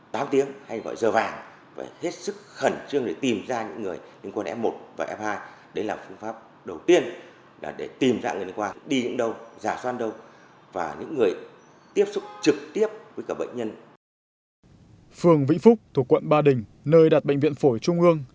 phương vĩnh phúc thuộc quận ba đình nơi đặt bệnh viện phổi trung ương